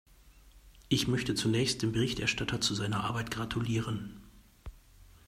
Ich möchte zunächst dem Berichterstatter zu seiner Arbeit gratulieren.